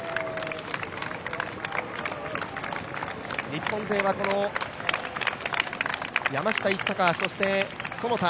日本勢はこの山下一貴そして其田